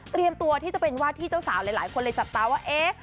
ตัวที่จะเป็นวาดที่เจ้าสาวหลายคนเลยจับตาว่าเอ๊ะ